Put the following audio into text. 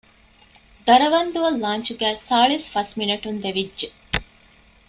ދަރަވަންދުއަށް ލާންޗުގައި ސާޅީސް ފަސް މިނެޓުން ދެވިއްޖެ